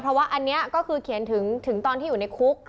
เพราะว่าอันนี้ก็คือเขียนถึงตอนที่อยู่ในคุก